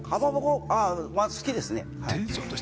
まぁ、好きですね。